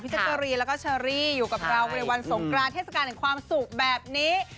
พี่เจ๊ก่อรีแล้วก็ชะรีอยู่กับเราวันสงกราชเทศกาลของความสุขแบบนี้